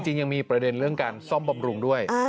จริงยังมีประเด็นเรื่องการซ่อมบำรุงด้วย